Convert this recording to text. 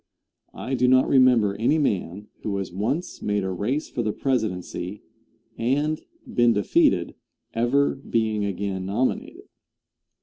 I do not remember any man who has once made a race for the presidency and been defeated ever being again nominated.